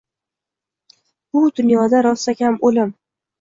Biz dunyoda rostakam o’lim